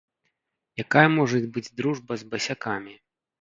Якая можа быць дружба з басякамі?